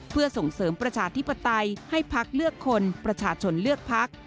เพื่อส่งเสริมประชาธิปไตยให้พักเลือกคนประชาชนเลือกพัก